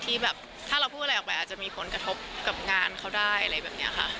ที่แบบถ้าเราพูดอะไรออกไปอาจจะมีผลกระทบกับงานเขาได้อะไรแบบนี้ค่ะ